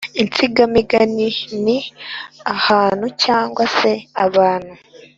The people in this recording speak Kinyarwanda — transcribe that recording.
Insigamigani ni ahantu cyangwa se abantu